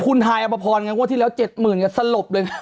คุณไทยเอาไปพอว่าที่แล้ว๗๐๐๐๐อย่างนี้สลบเลย